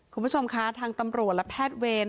คุณผู้ชมคะทางตำรวจและแพทย์เวร